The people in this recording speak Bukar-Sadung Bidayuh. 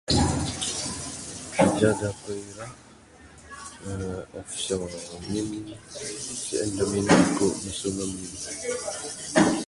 Kiraja da aku minat, eerr offshore ngin sien da minat aku masu ngamin.